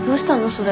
それ。